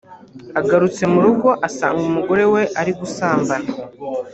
agarutse mu rugo asanga umugore we ari gusambana